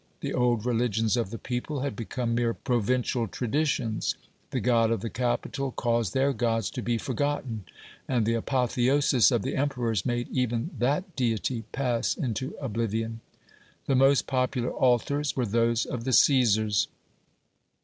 The old religions of the people had become mere provincial traditions, the God of the Capitol caused their gods to be forgotten, and the apotheosis of the emperors made even that deity pass into oblivion. The most popular altars were those of the Csesars.